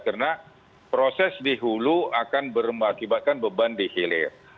karena proses dihulu akan berakibatkan beban dihilir